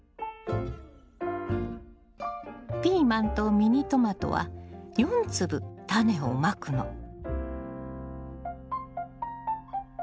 ピーマンとミニトマトは４粒タネをまくの。